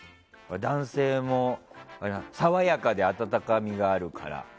男性も、爽やかで温かみがあるから。